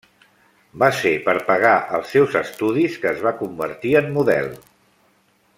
Va ser per pagar els seus estudis que es va convertir en model.